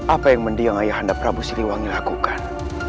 apa yang mendiang ayahanda prabu siliwangi lakukan